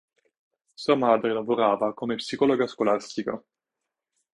Sua madre lavorava come psicologa scolastica.